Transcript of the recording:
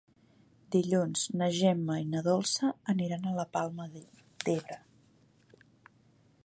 Dilluns na Gemma i na Dolça aniran a la Palma d'Ebre.